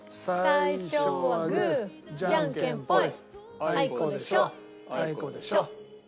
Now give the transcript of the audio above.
最初はグーじゃんけんぽい。